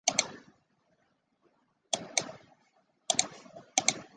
不以追求顺差为目标